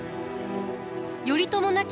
頼朝亡き